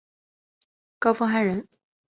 高凤翰人。